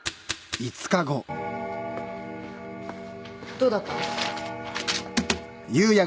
どうだった？